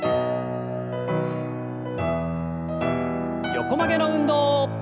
横曲げの運動。